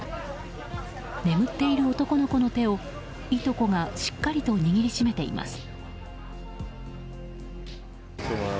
眠っている男の子の手をいとこがしっかりと握りしめています。